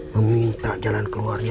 meminta jalan keluarnya